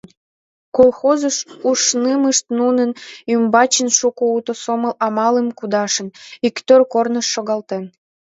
Колхозыш ушнымышт нунын ӱмбачын шуко уто сомыл-амалым кудашын, иктӧр корныш шогалтен.